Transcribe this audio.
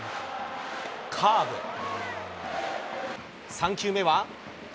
３球目は。